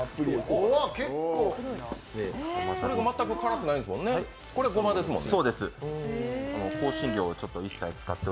全く辛くないですもんね、これごまですもんね。